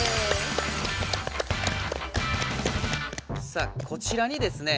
さあこちらにですね